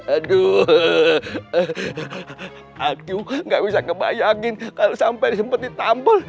aduh aku nggak bisa kebayangin kalau sampai sempet ditampil